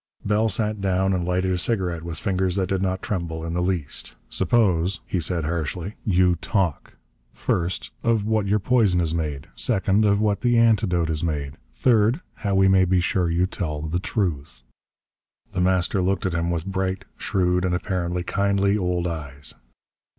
Bell sat down and lighted a cigarette with fingers that did not tremble in the least. "Suppose," he said hardly, "you talk. First, of what your poison is made. Second, of what the antidote is made. Third, how we may be sure you tell the truth." The Master looked at him with bright, shrewd, and apparently kindly old eyes.